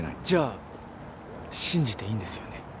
じゃあ信じていいんですよね？